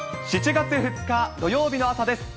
７月２日土曜日の朝です。